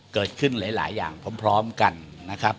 เกิดขึ้นหลายอย่างพร้อมกันนะครับ